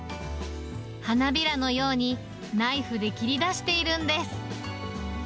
花びらのようにナイフで切り出しているんです。